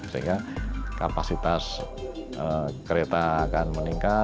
sehingga kapasitas kereta akan meningkat